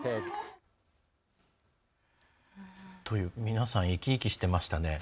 皆さん生き生きしてましたね。